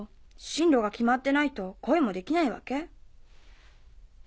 進路が決まってないと恋もできないわけ？